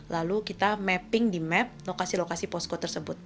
lalu kita mapping di map lokasi lokasi posko tersebut